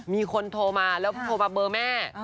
มีคนโทรมาแล้วโทรมาเบอร์แม่